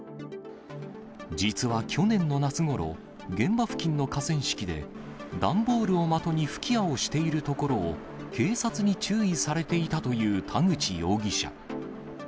実は去年の夏ごろ、現場付近の河川敷で、段ボールを的に吹き矢をしているところを、警察に注意されていたという田口容疑者。